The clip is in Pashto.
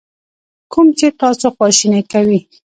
کوم چې تاسو خواشینی کوي.